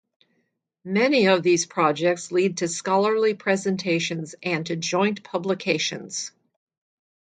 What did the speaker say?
Many of these projects lead to scholarly presentations and to joint publications.